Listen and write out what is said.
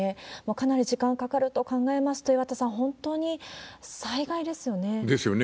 かなり時間かかると考えますと、岩田さん、ですよね。